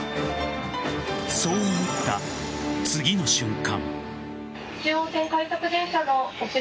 そう思った次の瞬間。